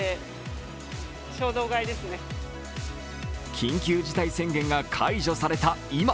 緊急事態宣言が解除された今